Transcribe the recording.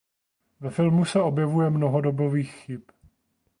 Ve filmu se objevuje mnoho dobových chyb.